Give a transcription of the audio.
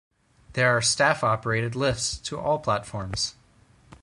There are staff-operated lifts to all platforms.